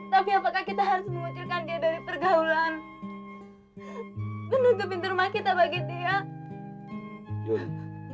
tapi apakah kita harus mengucurkan dia dari pergaulan menunggu pintu rumah kita bagi dia